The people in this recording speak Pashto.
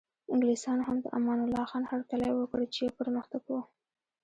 انګلیسانو هم د امان الله خان هرکلی وکړ چې یو پرمختګ و.